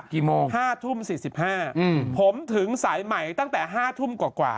กี่โมง๕ทุ่ม๔๕ผมถึงสายใหม่ตั้งแต่๕ทุ่มกว่า